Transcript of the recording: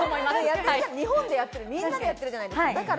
日本でやってる、みんなでやってるじゃないですか。